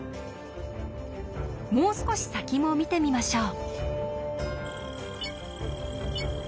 もう少し先も見てみましょう。